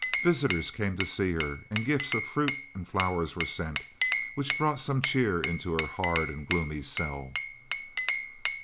Visitors came to see her, and gifts of fruit and flowers were sent, which brought some cheer into her hard and gloomy cell.